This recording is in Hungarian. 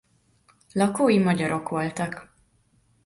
Lakói magyarok voltak.